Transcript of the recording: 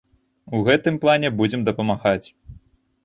У гэтым плане будзем дапамагаць.